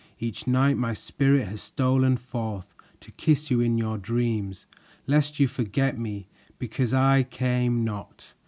Each night my spirit has stolen forth To kiss you in your dreams Lest you forget me, because I came not.